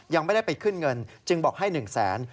ยังไม่ได้ไปขึ้นเงินจึงบอกให้๑๐๐๐๐๐บาท